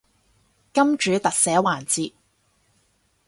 金主特寫環節